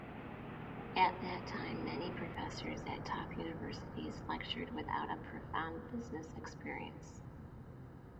At that time many professors at top universities lectured without a profound business experience.